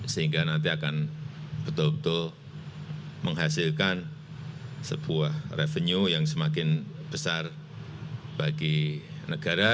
sehingga nanti akan betul betul menghasilkan sebuah revenue yang semakin besar bagi negara